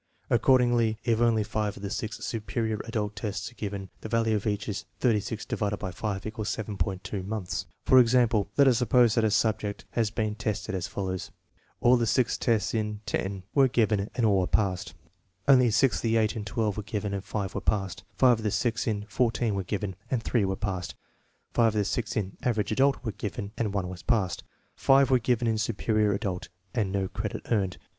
Accordingly, if only five of the six " superior adult " tests are given, the value of each is 36 * 6 7.2 months. For example, let us suppose that a subject has been tested as follows: All the six tests in X were given and all were passed; only six of the eight in XII were given and five were passed; five of the six in XTV were given and three were passed; five of the six in " average adult " were given and one was passed; five were given in " superior adult " and no credit earned.